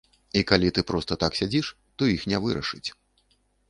І калі ты проста так сядзіш, то іх не вырашыць.